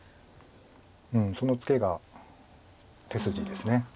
そのツケが手筋です。